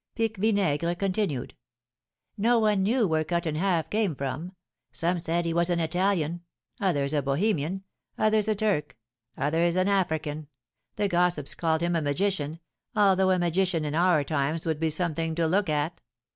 Pique Vinaigre continued: "No one knew where Cut in Half came from. Some said he was an Italian, others a Bohemian, others a Turk, others an African; the gossips called him a magician, although a magician in our times would be something to look at.